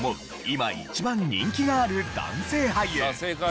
今一番人気がある男性俳優。